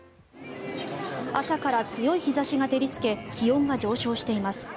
朝から強い日差しが照りつけ気温が上昇しています。